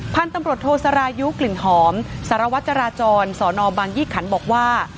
พันธุ์ตำรวจโทรสรายุกลิ่นหอมสรวจราจรสบยี้ขันบอกว่า